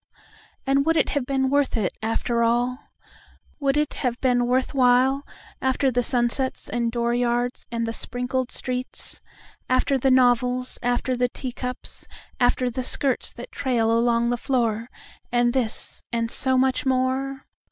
And would it have been worth it, after all, Would it have been worth while, After the sunsets and the dooryards and the sprinkled streets, After the novels, after the teacups, after the skirts that trail along the floor—And this, and so much more?